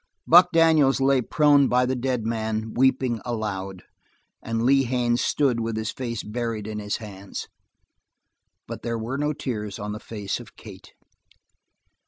Buck Daniels lay prone by the dead man weeping aloud; and Lee Haines stood with his face buried in his hands; but there was no tear on the face of Kate.